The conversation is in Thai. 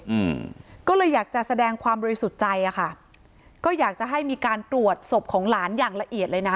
อืมก็เลยอยากจะแสดงความบริสุทธิ์ใจอ่ะค่ะก็อยากจะให้มีการตรวจศพของหลานอย่างละเอียดเลยนะ